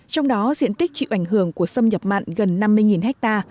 trong đó diện tích chịu ảnh hưởng của xâm nhập mặn gần năm mươi ha